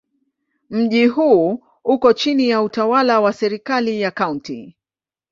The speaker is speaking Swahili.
Mji huu uko chini ya utawala wa serikali ya Kaunti.